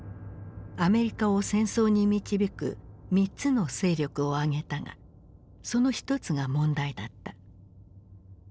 アメリカを戦争に導く３つの勢力を挙げたがその１つが問題だった。